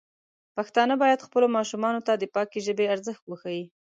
پښتانه بايد خپلو ماشومانو ته د پاکې ژبې ارزښت وښيي.